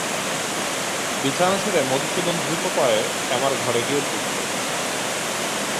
বিছানা ছেড়ে মধুসূদন দ্রুত পদে শ্যামার ঘরে গিয়ে ঢুকল।